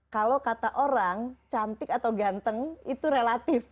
kalau kata orang cantik atau ganteng itu relatif